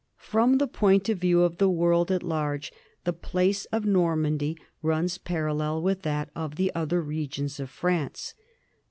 From the point of view of the world at large, the history of Normandy runs parallel with that of the other regions of France.